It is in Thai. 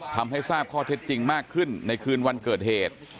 ทำให้ทราบข้อเท็จจริงมากขึ้นในคืนวันเกิดเหตุ